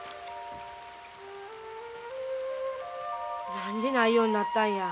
何でないようになったんやあ